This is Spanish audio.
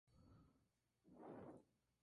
Senador por la provincia de Baleares y vitalicio.